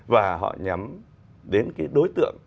và họ nhắm đến cái đối tượng